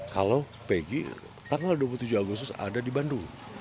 kalau pegi tanggal dua puluh tujuh agustus ada di bandung